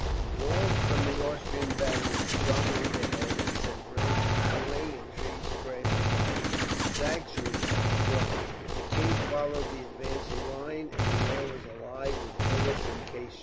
The balls from the Austrian batteries sung overhead, and sent branches flying and trees crashing down. Sagschuetz won, the king followed the advancing line, and the air was alive with bullets and case shot.